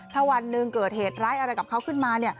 ถ้าวันหนึ่งเกิดเหตุร้ายอะไรกับเขาขึ้นมา